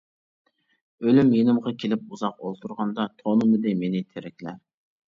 ئۆلۈم يېنىمغا كېلىپ ئۇزاق ئولتۇرغاندا تونۇمىدى مېنى تىرىكلەر!